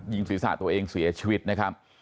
ศีรษะตัวเองเสียชีวิตนะครับ